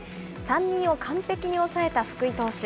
３人を完璧に抑えた福井投手。